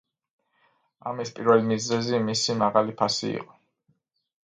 ამის პირველი მიზეზი მისი მაღალი ფასი იყო.